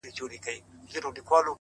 خو د لفظونو بغاوت خاورې ايرې کړ